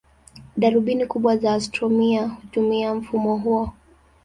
Darubini kubwa za astronomia hutumia mfumo huo.